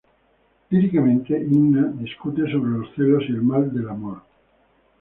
Líricamente, Inna discute sobre los celos y el mal del amor.